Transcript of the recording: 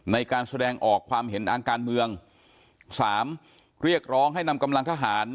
ในการแสดงออกความเห็นทางการเมืองสามเรียกร้องให้นำกำลังทหาร